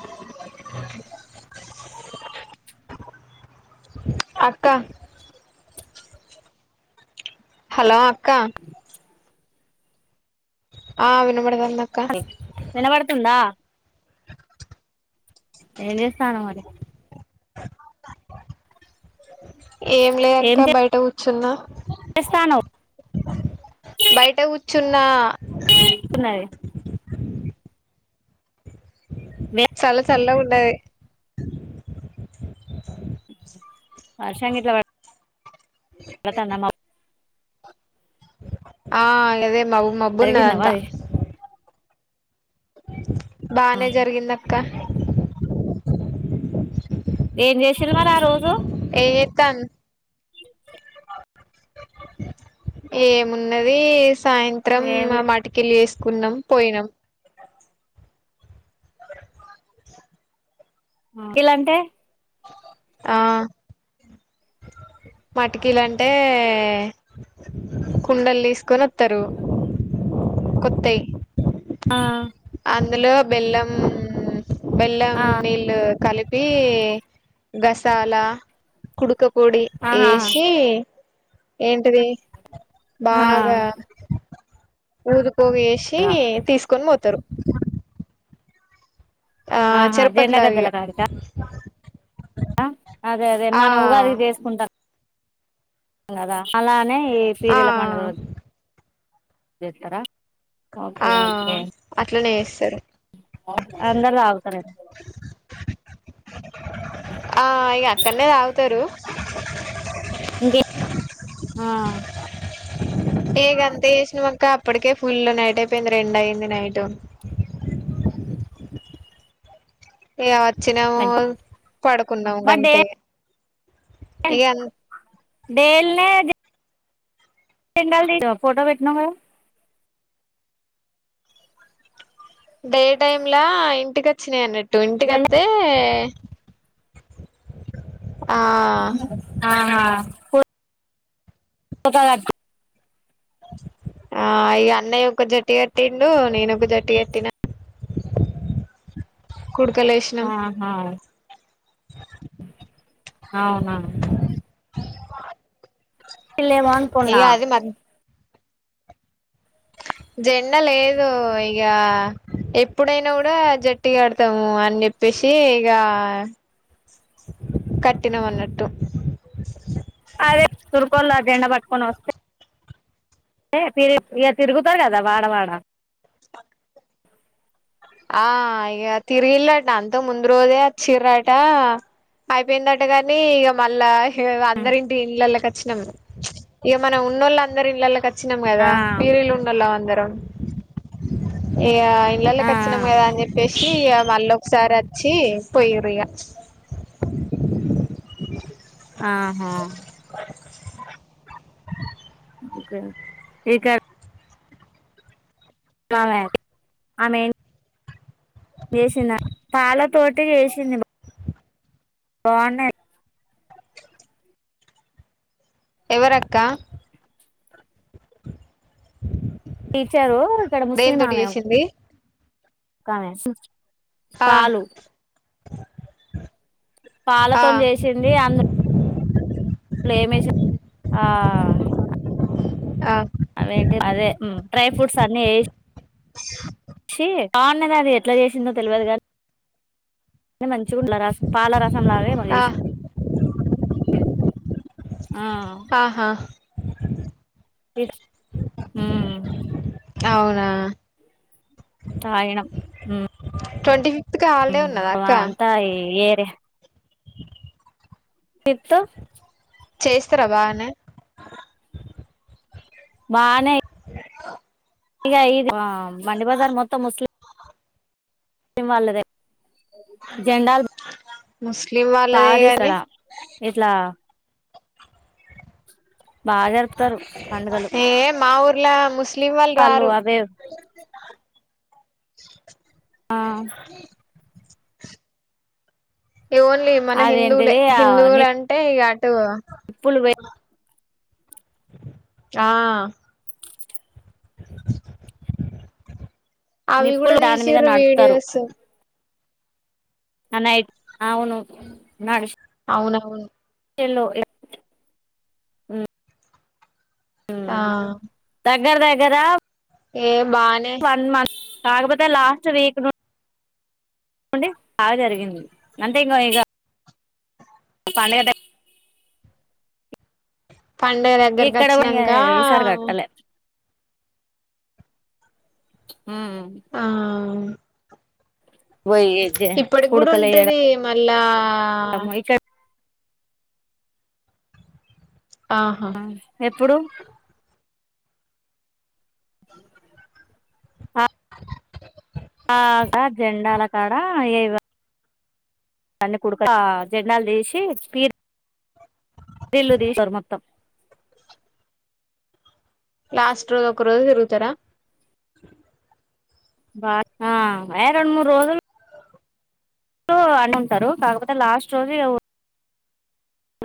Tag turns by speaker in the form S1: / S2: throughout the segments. S1: క్ల అక్క హలో అక్క ఆ వినబడుతాంది
S2: వినబడుతుందా ఏంజేస్తానవ్ మరి
S1: ఏం లేదక్క బయట కూర్చున్నా
S2: ఇస్తాను
S1: బయట కూర్చున్నా
S2: ఉన్నాయ్
S1: చల్ల చల్లగ ఉన్నయ్
S2: వర్షం గిట్ల పడు తందమ్మ
S1: ఆ అదే మబ్
S2: జరిగిందా
S1: మబ్బున్నదంతా
S2: మరి
S1: బానే జరిగింది అక్క
S2: ఏం చేసిరూ మరి ఆ రోజు
S1: ఏతన్ ఏమున్నది సాయంత్రం
S2: ఏం
S1: మా మాటి కెళ్ళి చేసుకున్నాం పోయినాం
S2: ఇలంటే
S1: ఆ పటికీలు అంటే కుండలు తీసుకొని వత్తరు కొత్తయ్
S2: ఆ
S1: అందులో బెల్లం బెల్లం
S2: ఆ
S1: నీళ్ళు కలిపి గసాలా కుడుక పొడి
S2: ఆహా
S1: ఏసి ఏంటిది
S2: ఆ
S1: బాగా ఊదు పొగ వేసి తీసుకొని పోతరు హ
S2: ఆహా
S1: లాగా
S2: జండగద్దెల
S1: ఇగ
S2: కాడీకా అదే అదే
S1: ఆ
S2: మనం ఉగాది వేసుకుంటాం కదా అలానే ఈ
S1: ఆ
S2: పీరెల పండుగ జేత్తరా
S1: ఆ అట్లనే చేస్సరు
S2: అందరూ తాగుతన ఇప్పుడు క్లీ
S1: ఆ ఇగ అక్కన్నే తాగుతారు
S2: ఇంగే ఆ
S1: ఏ ఇగ అంతా చేసినం అక్క అప్పటికే ఫుల్ నైట్ అయిపోయింది రెండు అయింది నైట్ ఇగ వచ్చినమూ పడుకున్నము
S2: మరి డే
S1: గంతే ఇగం
S2: డేల్నే జే [unintelligible] ఫోటో పెట్టినవు కదా
S1: డే టైమ్లా ఇంటికొచ్చినాయి అన్నట్టు ఇంటికి
S2: జెండా
S1: అత్తే ఆ
S2: ఆహా పోతాది ఆటికి
S1: ఆ ఇగ అన్నయ్య ఒక జట్టుగట్టిండు నేనొక జట్టుగట్టినా కుడుకలు ఏషిణం
S2: ఆహా అవునా
S1: [unintelligible]
S2: ఇల్లేమో
S1: ఇగ
S2: అన్కున్నా
S1: అది మ జెండా లేదు ఇగ ఎప్పుడైనా కూడా జట్టుగా ఆడతాము అని చెప్పేసి ఇగ కట్టినం అన్నట్టు
S2: అదే తురుకొల్ల జెండ పట్టుకొని వస్తె ఏ తిరు ఇగా తిరుగుతారు కదా వాడవాడ
S1: ఆ ఇక తిరిగిలాంట అంతకు ముందు రోజే వచ్చిర్రటా అయిపోయిందట గాని ఇక మళ్ళా అందరి ఇంటి ఇళ్ళలోకి వచ్చినాం ఇక మన ఉన్నోళ్ళ అందరి ఇండ్లలోకి వచ్చినం
S2: ఆ
S1: కదా ఫీరీలు ఉన్నోళ్ళాం అందరం ఇగ
S2: ఆ
S1: తెచ్చినం కదా అని చెప్పేసి ఇక మళ్ళీ ఒకసారి వచ్చి పోయిర్రు ఇక
S2: ఆహా
S1: [inaudible]
S2: ఇంకా ఆమె ఆమె పాల తోటి చేసింది బావున్నాయి
S1: ఎవరక్క
S2: టీచరు ఇక్కడ ముస్లిం
S1: దేనితోటి
S2: ఆమె
S1: చేసింది
S2: ఒకామె
S1: హ
S2: పాలు పాలతోనీ చేసింది అంద్ ఆ ఆ
S1: ఆ
S2: అదేంటి అదే డ్రై ఫ్రూట్స్ అన్ని యేస్ చీ బావున్నాది అది ఎట్లా చేసిందో తెలవదు కానీ పాల రసం లాగ ఏమో
S1: ఆ
S2: చేసింది ఆ
S1: ఆహా
S2: మ్మ్
S1: అవునా
S2: తాగినాం
S1: ట్వంటీఫిఫ్త్ కి హాలిడే ఉన్నదా అక్క
S2: ఆ యేరే
S1: హ
S2: ఎత్తో
S1: చేస్తారా బాగానే
S2: బానే
S1: అది ఏదో
S2: ఇంగా ఇది ఆ మండి బజార్ మొత్తం ముస్లి ముస్లిం వాళ్ళదే జెండాలు
S1: ముస్లిం వా
S2: ఎట్లా బాగా జరుపుతారు పండుగలు
S1: ఏ మా ఊర్లో ముస్లిం వాళ్ళు రారు
S2: ఆ
S1: ఓన్లీ మన హిందువులే
S2: అదేంటిది
S1: హిందువులు అంటే ఇగ అటు
S2: ఇప్పులు వే
S1: ఆ ఏం [inaudible] అవి కూడా
S2: నిప్పులు దాని మీద
S1: తీసిర్రు
S2: నడుపుతారు
S1: వీడియోస్
S2: అ నయిట్ అవును నడ్శి
S1: అవునవును
S2: చెల్లో ఎ
S1: ఆ
S2: దగ్గర దగ్గర
S1: ఏ బానే
S2: అమ్మన్ కాకపోతే లాస్ట్ వీక్ ను ఉండి బాగ జరిగింది అంతే ఇంగొ ఇగ పని ఏది
S1: పండగ దగ్గరకి
S2: ఇక్కడ
S1: వచ్చినంక
S2: ఈసారి కట్టలే మ్మ్
S1: ఆ
S2: పోయి
S1: ఇప్పుడికి కుడుంటది మళ్ళా
S2: త మొయిక
S1: ఆహా
S2: ఎప్పుడు [unintelligible] ఆగా జెండాల కాడ ఏవ పన్న కుడుక ఆ జెండాలు తీసి పీర్ ఇల్లు తీస్తారు మొత్తం
S1: లాస్ట్ రోజు ఒక్కరోజు తిరుగుతరా
S2: బాగ్ ఆ ఏ రొండు మూర్రోజులు టు అని ఉంటారు కాకపోతే లాస్ట్ రోజు ఇగ ఉ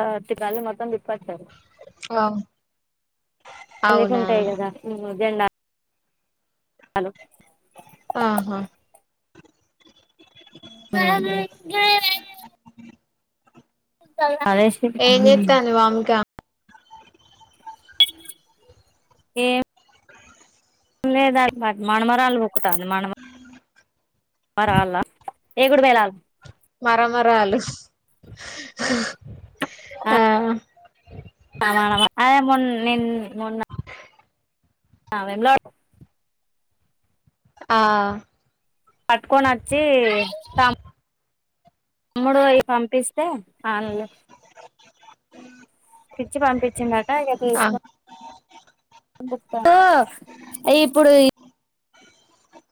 S2: ఆ అట్టి గాలి మొత్తం తిప్పచ్చారు
S1: ఆ
S2: లీకు
S1: అవునా
S2: ఉంటాయి కదా జెండ హలో
S1: ఆహా [unintelligible]
S2: [unintelligible] అదే ష్
S1: ఏం చేత్తంది వామిక
S2: ఏం ఉన్నయేదాంట్ మర్ మనుమరాల్లుబుక్కుతాంది మనుమ మరాల్లా ఏకుడుపేళాలు
S1: మరమరాలు ఆ
S2: అదే మొన్ నేను మొన్న ఆ వేములట్
S1: ఆ
S2: పట్కొనచ్చి తమ్ తమ్ముడు అయి పంపిస్తే ఆళ్ళు ఇచ్చి పంపించిండంట ఇగ
S1: ఆ
S2: తీసుకు తో అ ఇప్పుడు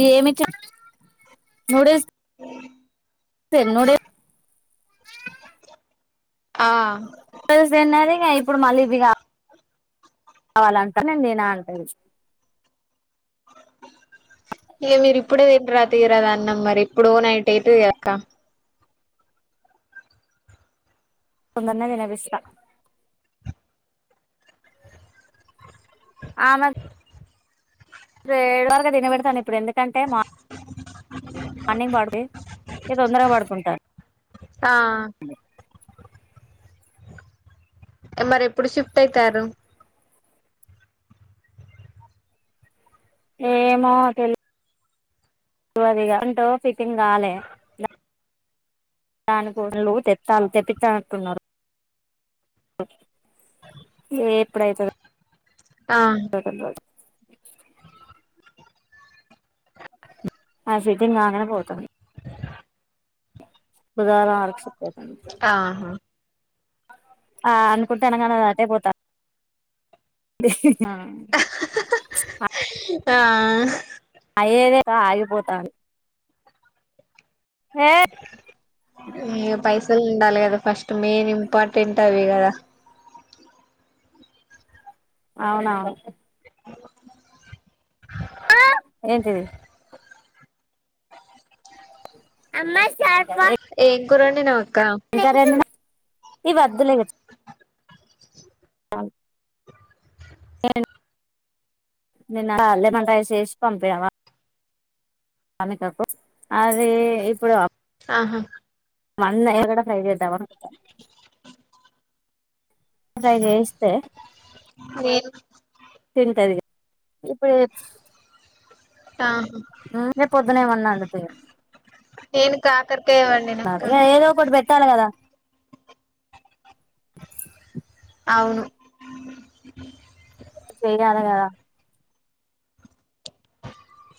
S2: ఏమి చ న్యూ డేస్
S1: అవును
S2: [unintelligible]
S1: ఆ
S2: పేరెంట్స్ డే అన్నారు ఇంగ ఇప్పుడు మళ్ళీ ఇవి కా కావాలంట నేన్దినా అంటుంది
S1: ఇగ మీరు ఇప్పుడే తింటరా తీయరాదు అన్నం మరి ఎప్పుడో నైట్ అయితదిగ అక్క
S2: తొందర్నే తినబిస్త ఆమె ఏడు వరకు తినబెడతాను ఇప్పుడు ఎందుకంటే నా అన్ని [unintelligible] నేను తొందరగా పాడుకుంటా
S1: ఆ
S2: బ
S1: మరెప్పుడు షిఫ్ట్ అయితారు
S2: ఏమో తెలివదిగా అంటూ ఫిట్టింగ్ కాలే దాని [unintelligible] తెత్తాళ్లు తెప్పిత్తాన్నట్టున్నరు ఎప్పుడైతదో
S1: ఆ
S2: [unintelligible] ఆ సీటింగ్ కాంగనే పోతుంది బుధారం వరకు సెట్ అయితది మొత్తం
S1: ఆహా
S2: ఆ అనుకుంటాన్నం గాని అదటే పోతాంది ఆ
S1: ఆ
S2: అయ్యేదే క ఆగిపోతాంది ఏ
S1: ఇగ పైసలు ఉండాలి కద ఫస్ట్ మెయిన్ ఇంపార్టెంటే అవి కదా
S2: అవునవును ఏంటిది ఎ
S1: ఏం కూర వండినవు అక్క
S2: ఏం కర్రీ వండినవ్ ఇవి ఒద్దులే [unintelligible] నిన్న లెమన్ రైస్ చేసి పంపినవా అమితకు అది ఇప్పుడు
S1: ఆహా
S2: మొన్నయి కూడా ఫ్రై చేద్దామనుకుంటాన ఫ్రై చేస్తే
S1: లేదు
S2: తింటది ఇప్పుడే
S1: ఆహ
S2: ఉమ్ రేపు పొద్దున ఏమన్న అడుగుత ఇంగ
S1: నేను కాకర్కాయ్ వండిన అక్క
S2: ఏదో ఒకటి పెట్టాలి కదా
S1: అవును
S2: చేయ్యాల కదా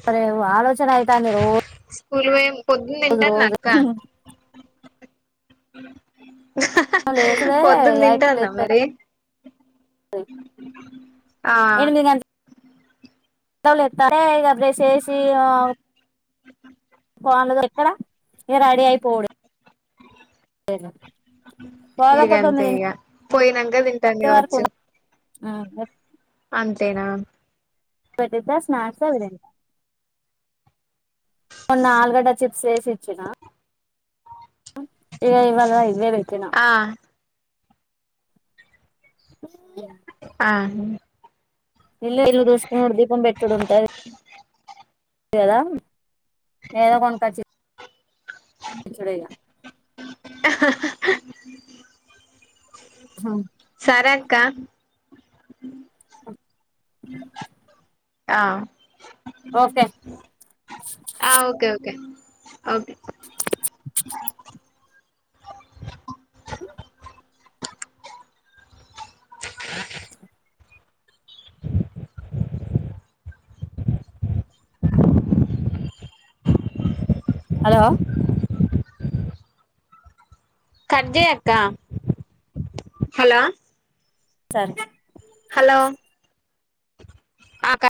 S2: సరే ఓ ఆలోచనైతాంది రో
S1: స్కూల్కి పోయే పొద్దున్ తింటాన అక్క
S2: రోజు లేసుడే
S1: పొద్దున్ తింటాన్న మరి
S2: ఉ
S1: ఆ
S2: ఎనిమిది గంట్ గౌలేతలే ఇగ బ్రెష్ చేసీ ఆవ్ కోన్ ల దొరెక్కడ ఇగ రెడీ అయిపోవుడే
S1: ఇగ అంతే ఇగ పోయినంక దిన్
S2: ప్యార్ కోన ఆ
S1: అంతేనా
S2: పెద్దగా స్నాక్స్ అవి తింట మొన్న ఆలుగడ్డ చిప్స్ చేసిచ్చిన ఇగ ఇవల ఇవే పెట్టిన
S1: ఆ ఆనీ
S2: ఇల్ ఇల్లు దూస్పో దీపం పెట్టుడుంటది కద నేనేదో కొనకచ్చి దించుడేఇగా
S1: హమ్
S2: చావు
S1: సరే అక్క
S2: [inaudible]
S1: ఆ
S2: ఓకే
S1: ఆ ఓకేే ఓ కే ఓకే హమ్
S2: హలో
S1: కడ్జై అక్క హలో
S2: సరే
S1: హలో ఆ కట్